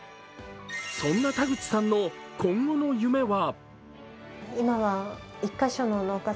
そんな田口さんの今後の夢は？